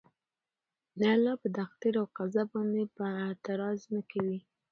د الله په تقدير او قضاء باندي به اعتراض نه کوي